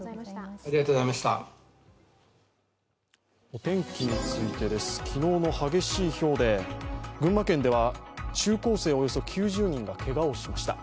お天気についてです、昨日の激しいひょうで、群馬県では中高生およそ９０人がけがをしました。